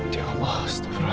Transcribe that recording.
dia mas tuh fraw